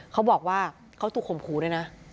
เขาบอกว่าเขาถูกข่มขู่ด้วยนะ